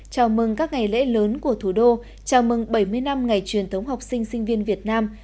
thời lễ lớn của thủ đô chào mừng bảy mươi năm ngày truyền tống học sinh sinh viên việt nam